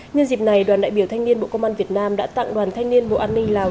nhân dịp này đoàn đại biểu thanh niên bộ công an việt nam đã tặng đoàn thanh niên bộ an ninh lào